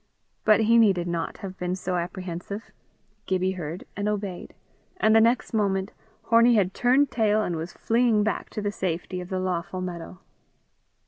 But he needed not have been so apprehensive. Gibbie heard and obeyed, and the next moment Hornie had turned tail and was fleeing back to the safety of the lawful meadow.